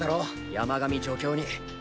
山上助教に。